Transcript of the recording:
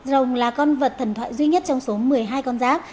rồng là con vật thần thoại duy nhất trong số một mươi hai con giáp